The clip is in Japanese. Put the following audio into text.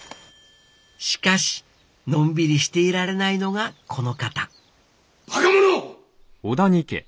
しかしのんびりしていられないのがこの方バカ者！